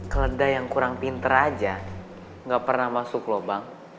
keledai yang kurang pintar aja gak pernah masuk lubang